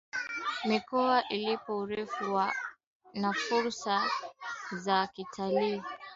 mikoa ilipo urefu na fursa za kitalii zinazoweza kupatikana katika rasimali hizo